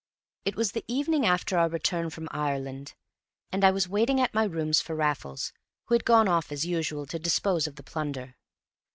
It was the evening after our return from Ireland, and I was waiting at my rooms for Raffles, who had gone off as usual to dispose of the plunder.